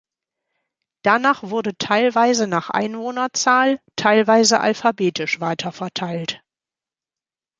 Danach wurde teilweise nach Einwohnerzahl, teilweise alphabetisch weiterverteilt.